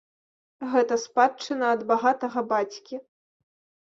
Гэта спадчына ад багатага бацькі.